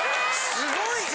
すごいね！